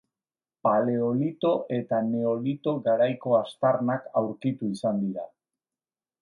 Paleolito eta Neolito garaiko aztarnak aurkitu izan dira.